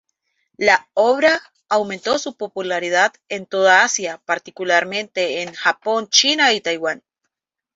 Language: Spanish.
La obra aumentó su popularidad en toda Asia, particularmente en Japón, China y Taiwán.